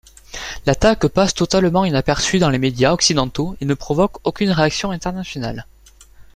L'attaque passe totalement inaperçue dans les médias occidentaux et ne provoque aucune réaction internationale.